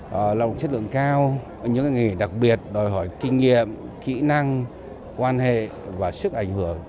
họ lao động chất lượng cao những nghề đặc biệt đòi hỏi kinh nghiệm kỹ năng quan hệ và sức ảnh hưởng